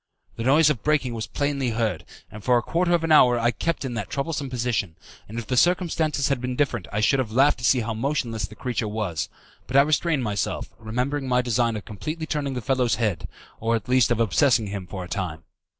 The noise of breaking was plainly heard, and for a quarter of an hour I kept in that troublesome position, and if the circumstances had been different I should have laughed to see how motionless the creature was; but I restrained myself, remembering my design of completely turning the fellow's head, or at least of obsessing him for a time.